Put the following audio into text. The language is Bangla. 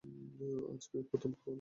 আজ এই প্রথম হল।